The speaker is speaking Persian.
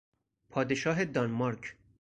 پادشاه دانمارک